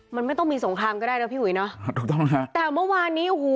มันไม่ต้องมีสงครามก็ได้นะพี่อุ๋ยเนอะถูกต้องฮะแต่เมื่อวานนี้โอ้โห